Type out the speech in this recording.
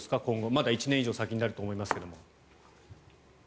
まだ１年以上先になると思いますけど。